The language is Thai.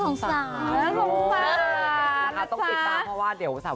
ต้องติดตามเพราะว่าอะไรครับ